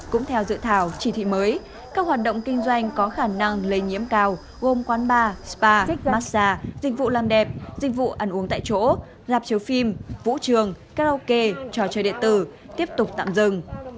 cũng theo dự thảo chỉ thị mới các hoạt động kinh doanh có khả năng lây nhiễm cao gồm quán bar spac massage dịch vụ làm đẹp dịch vụ ăn uống tại chỗ lạp chiếu phim vũ trường karaoke trò chơi điện tử tiếp tục tạm dừng